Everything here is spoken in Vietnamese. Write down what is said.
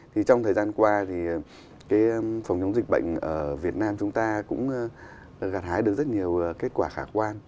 trong thời gian qua thì phòng chống dịch bệnh ở việt nam chúng ta cũng gạt hái được rất nhiều kết quả khả quan